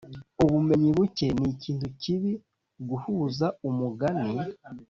ubumenyi buke nikintu kibi guhuza umugani